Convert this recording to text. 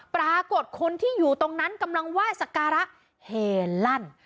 ปรากฏคนที่อยู่ตรงนั้นกำลังไหว้สักการะเฮลั่น